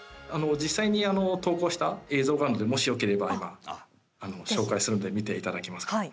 実際に投稿した映像があるので、もしよければ今紹介するので見ていただけますか。